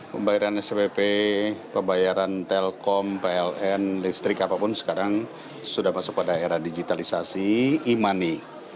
pembayaran spp pembayaran telkom pln listrik apapun sekarang sudah masuk pada era digitalisasi e money